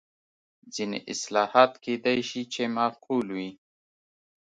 ځینې اصلاحات کېدای شي چې معقول وي.